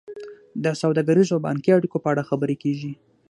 د سوداګریزو او بانکي اړیکو په اړه خبرې کیږي